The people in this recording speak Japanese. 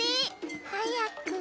はやく。